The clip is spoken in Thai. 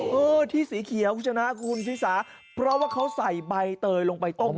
เออที่สีเขียวคุณชนะคุณชิสาเพราะว่าเขาใส่ใบเตยลงไปต้ม